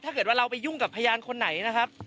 ถ้าเกิดว่าเราไปยุ่งกับพยานคนไหนนะครับ